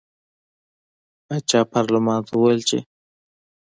پارلمان ته وویل چې